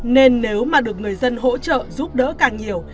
nên nếu mà được người dân hỗ trợ giúp đỡ càng nhiều